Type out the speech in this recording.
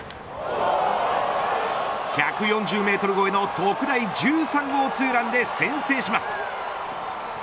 １４０メートル越えの特大１３号２ランで先制します。